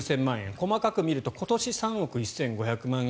細かく見ると今年３億１５００万円